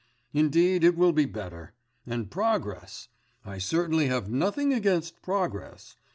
Indeed it will be better. And progress ... I certainly have nothing against progress.